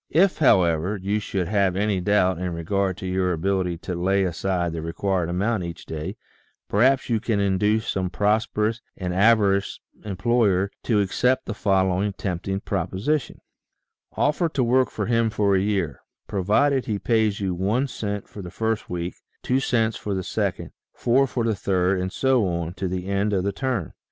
If, however, you should have any doubt in regard to your ability to lay aside the required amount each day, perhaps you can induce some prosperous and avaricious employer to accept the following tempting proposition : Offer to work for him for a year, provided he pays you one cent for the first week, two cents for the second, four for the third, and so on to the end of the term.